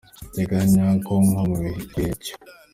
Duteganya ko nko mu gihe cyo.